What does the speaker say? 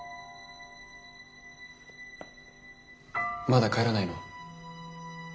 まだ帰らないの？